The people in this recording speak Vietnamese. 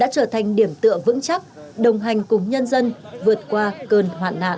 đã trở thành điểm tựa vững chắc đồng hành cùng nhân dân vượt qua cơn hoạn nạn